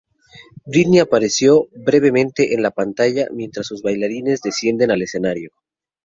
Britney apareció brevemente en la pantalla, mientras sus bailarines descienden al escenario.